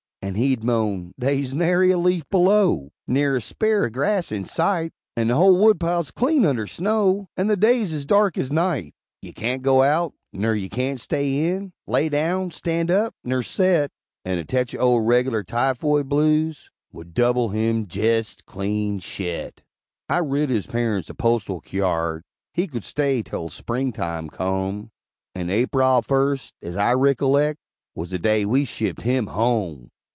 And he'd moan, "They's nary a leaf below! Ner a spear o' grass in sight! And the whole wood pile's clean under snow! And the days is dark as night! You can't go out ner you can't stay in Lay down stand up ner set!" And a tetch o' regular tyfoid blues Would double him jest clean shet! I writ his parents a postal kyard, He could stay 'tel Spring time come; And Aprile first, as I rickollect, Was the day we shipped him home!